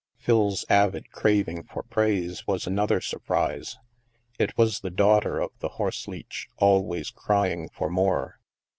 Phil's avid craving for praise was another sur prise. It was the daughter of the horse leech, al ways crying for more.